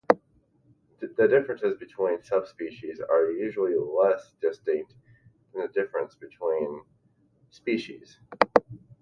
The differences between subspecies are usually less distinct than the differences between species.